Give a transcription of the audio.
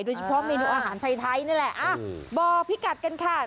โดยเฉพาะเมนูอาหารไทยนี่แหละบอกพี่กัดกันค่ะ